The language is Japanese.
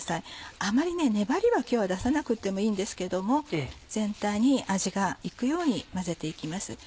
あまり粘りは今日は出さなくてもいいんですけども全体に味が行くように混ぜて行きます。